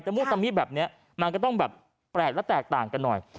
มุตะมิแบบนี้มันก็ต้องแบบแปลกและแตกต่างกันหน่อย